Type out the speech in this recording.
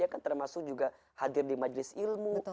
ya kan termasuk juga hadir di majlis ilmu